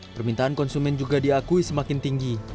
permintaan konsumen juga diakui semakin tinggi